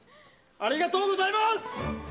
ありがとうございます！